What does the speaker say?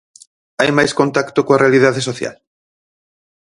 Hai máis contacto coa realidade social?